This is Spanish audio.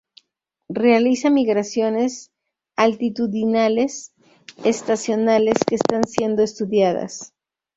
Realiza migraciones altitudinales estacionales que están siendo estudiadas.